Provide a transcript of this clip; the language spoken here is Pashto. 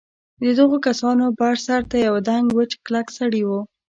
د دغو کسانو بر سر ته یوه دنګ وچ کلک سړي و.